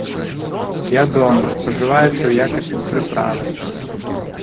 Ядомы, спажываецца ў якасці прыправы.